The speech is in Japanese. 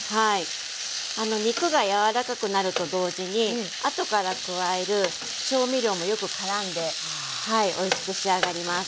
肉が柔らかくなると同時にあとから加える調味料もよくからんでおいしく仕上がります。